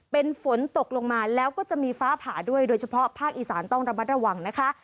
เป็นฝนตกลงมาแล้วก็จะมีฟ้าผ่าด้วยโดยเฉพาะภาคอีสานต้องระมัดระวังนะคะ